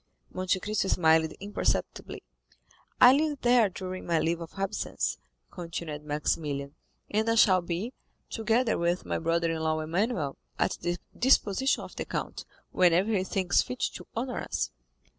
Monte Cristo smiled imperceptibly. "I live there during my leave of absence," continued Maximilian; "and I shall be, together with my brother in law Emmanuel, at the disposition of the Count, whenever he thinks fit to honor us."